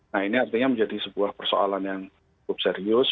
nah ini artinya menjadi sebuah persoalan yang cukup serius